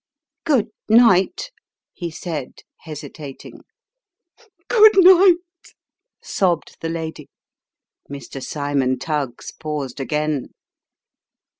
" Good night," he said, hesitating. " Good night," sobbed the lady. Mr. Cymon Tuggs paused again.